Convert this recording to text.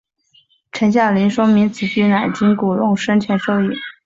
陈晓林说明此举乃经古龙生前授意。